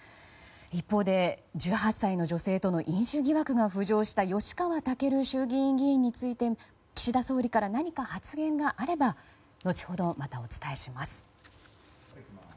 一方で、１８歳の女性との飲酒疑惑が浮上した吉川赳衆議院議員について岸田総理から何か発言があれば後ほどまたお伝えします。